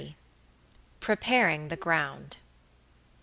PREPARING THE GROUND.